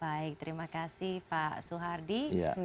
baik terima kasih pak soehardi